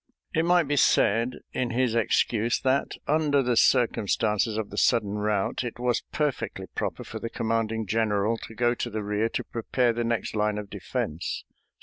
It might be said in his excuse that, under the circumstances of the sudden rout, it was perfectly proper for the commanding general to go to the rear to prepare the next line of defense.